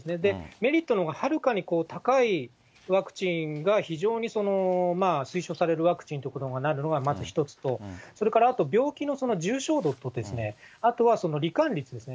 メリットのほうがはるかに高いワクチンが、非常に推奨されるワクチンということになるのはまず一つと、それからあと、病気の重症度とですね、あとはり患率ですね。